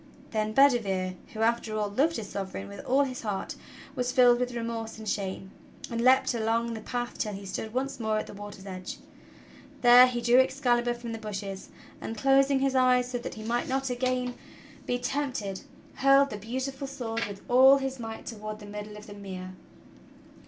Then Bedivere, who after all loved his Sovereign with all his heart, was filled with remorse and shame, and leaped along the path till he stood once more at the water's edge. There he drew Excali bur from the bushes, and closing his eyes that he might not again THE PASSING OF ARTHUR 153 be tempted, hurled the beautiful sword with all his might' toward the middle of the mere.